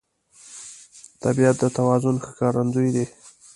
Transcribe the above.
طبیعت د توازن ښکارندوی دی.